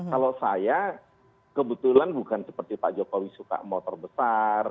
kalau saya kebetulan bukan seperti pak jokowi suka motor besar